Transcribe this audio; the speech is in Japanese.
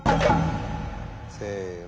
せの。